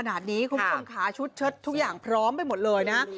คุณผู้ชมค่ะชุดเชิดทุกอย่างพร้อมไปหมดเลยนะ